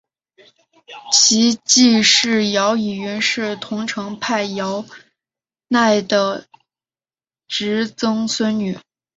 其继室姚倚云是桐城派姚鼐的侄曾孙女。